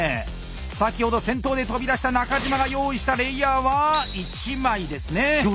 先ほど先頭で飛び出した中島が用意したレイヤーは１枚ですね。